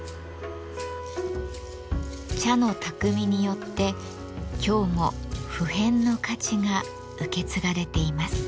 茶の匠によって今日も不変の価値が受け継がれています。